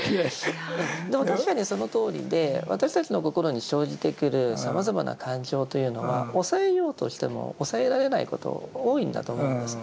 でも確かにそのとおりで私たちの心に生じてくるさまざまな感情というのは抑えようとしても抑えられないことが多いんだと思うんです。